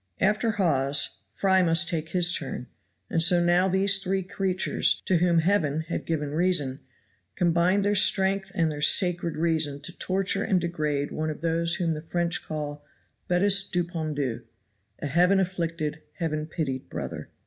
After Hawes, Fry must take his turn; and so now these three creatures, to whom Heaven had given reason, combined their strength and their sacred reason to torture and degrade one of those whom the French call "betes du bon Dieu" a heaven afflicted heaven pitied brother.